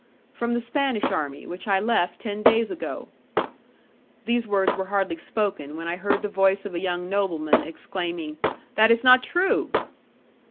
"From the Spanish army, which I left ten days ago." These words were hardly spoken, when I heard the voice of a young nobleman exclaiming; "That is not true."